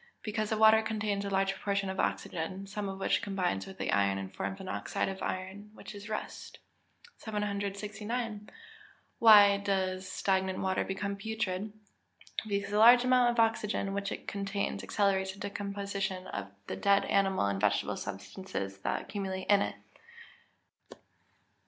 _ Because the water contains a large proportion of oxygen, some of which combines with the iron and forms an oxide of iron, which is rust. 769. Why does stagnant water become putrid? Because the large amount of oxygen which it contains accelerates the decomposition of dead animal and vegetable substances that accumulate in it.